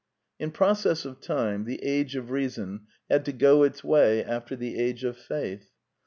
In process of time the age of reason had to go its way after the age of faith.